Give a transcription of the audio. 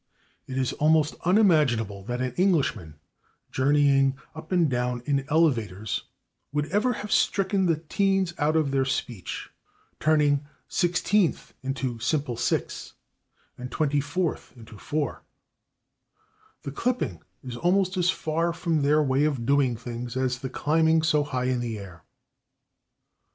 It is almost unimaginable that Englishmen, journeying up and down in elevators, would ever have stricken the teens out of their speech, turning /sixteenth/ into simple /six/ and /twenty fourth/ into /four/; the clipping is almost as far from their way of doing things as the climbing so high in the air.